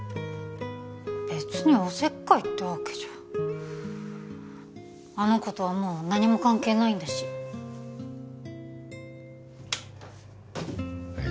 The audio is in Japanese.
別にお節介ってわけじゃあの子とはもう何も関係ないんだしはい